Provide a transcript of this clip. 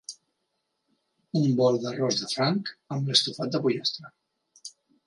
Un bol d'arròs de franc amb l'estofat de pollastre.